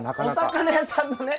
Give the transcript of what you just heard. お魚屋さんのね。